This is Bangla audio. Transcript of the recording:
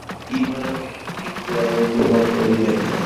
ইহারা দুইজনে জীবনে এমন প্রভাত আর কোনোদিন দেখে নাই।